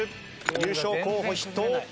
優勝候補筆頭。